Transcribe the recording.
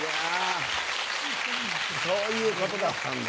そういうことだったんだ。